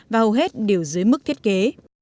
và hầu hết đều dưới mức thiết kế